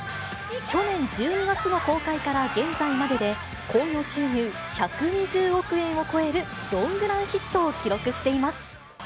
去年１２月の公開から現在までで、興行収入１２０億円を超えるロングランヒットを記録しています。